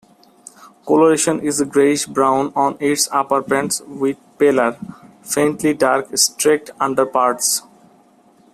Coloration is grayish-brown on its upperparts with paler, faintly dark streaked underparts.